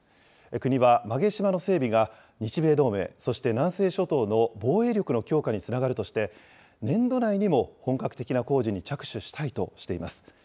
国は、馬毛島の整備が日米同盟、そして南西諸島の防衛力の強化につながるとして、年度内にも本格的な工事に着手したいとしています。